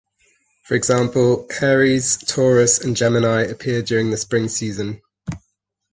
For example, Aries, Taurus, and Gemini appear during the spring season.